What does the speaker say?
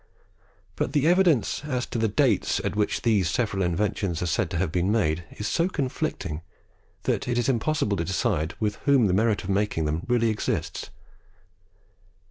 But the evidence as to the dates at which these several inventions are said to have been made is so conflicting that it is impossible to decide with whom the merit of making them really rests.